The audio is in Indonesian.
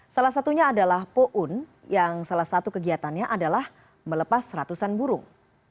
salah satunya adalah poun yang salah satu kegiatannya adalah melepas ratusan burung